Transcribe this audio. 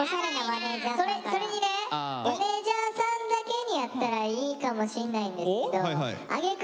それにねマネージャーさんだけにやったらいいかもしんないんですけどえ！